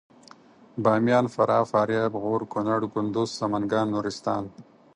باميان فراه فاریاب غور کنړ کندوز سمنګان نورستان